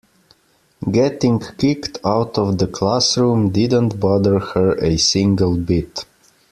Getting kicked out of the classroom didn't bother her a single bit.